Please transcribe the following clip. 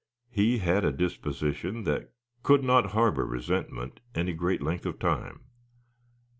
He had a disposition that could not harbor resentment any great length of time.